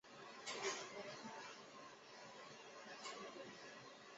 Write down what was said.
反贪污委员会目前的主席是拿督斯里苏克里。